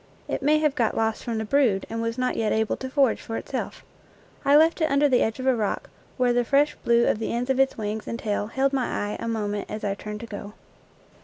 It may have got lost from the brood and was not yet able to forage for itself. I left it under the edge of a rock, where the fresh blue of the ends of its wings and tail held my eye a moment as I turned to go.